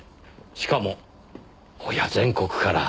しかもおや全国から。